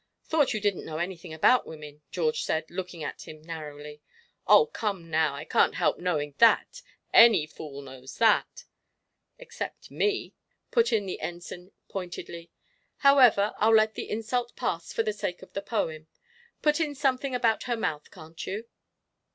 '" "Thought you didn't know anything about women," George said, looking at him narrowly. "Oh, come now, I can't help knowing that any fool knows that!" "Except me," put in the Ensign, pointedly. "However, I'll let the insult pass for the sake of the poem. Put in something about her mouth, can't you?"